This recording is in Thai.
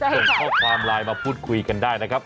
ส่งข้อความไลน์มาพูดคุยกันได้นะครับ